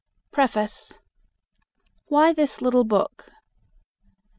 Preface. WHY THIS LITTLE BOOK.